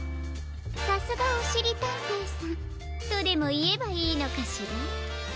さすがおしりたんていさんとでもいえばいいのかしら？